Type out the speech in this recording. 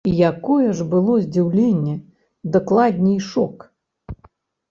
І якое ж было здзіўленне, дакладней, шок.